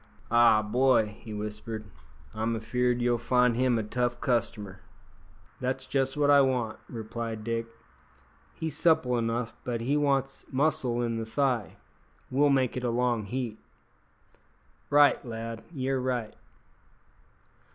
"Ah, boy!" he whispered, "I'm afeard you'll find him a tough customer." "That's just what I want," replied Dick. "He's supple enough, but he wants muscle in the thigh. We'll make it a long heat." "Right, lad, ye're right."